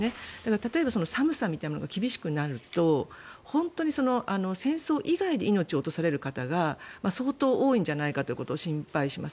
例えば寒さみたいなのが厳しくなると本当に戦争以外で命を落とされる方が相当、多いんじゃないかということを心配します。